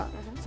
sampai ke jawa